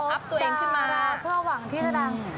พบดาราเพื่อหวังที่จะดัง